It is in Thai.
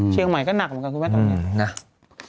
เชียงใหม่ก็หนักเหมือนกันคือไหมตรงนี้